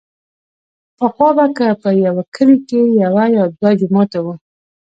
پخوا به که په يوه کلي کښې يو يا دوه جوماته وو.